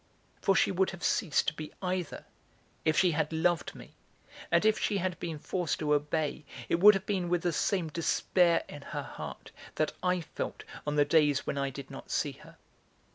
For she would have ceased to be either if she had loved me, and if she had been forced to obey it would have been with the same despair in her heart that I felt on the days when I did not see her.